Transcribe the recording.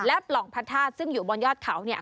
และปล่องพระธาตุซึ่งอยู่บนยอดเขาเนี่ย